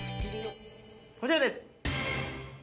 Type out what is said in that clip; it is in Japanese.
こちらです。